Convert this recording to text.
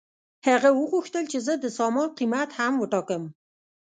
هغه وغوښتل چې زه د سامان قیمت هم وټاکم